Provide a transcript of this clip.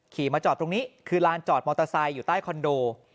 ขี่มาจอดตรงนี้คือลานจอดมอเตอร์ไซค์อยู่ใต้คอนโด